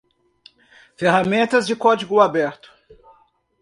ferramentas de código aberto